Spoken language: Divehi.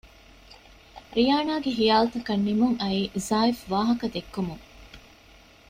ރިޔާނާގެ ހިޔާލުތަކަށް ނިމުން އައީ ޒާއިފް ވާހަކަ ދެއްކުމުން